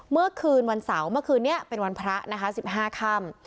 เมื่อคืนวันเสาร์เมื่อคืนนี้เป็นวันพระนะคะ๑๕ค่ำ